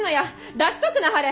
出しとくなはれ。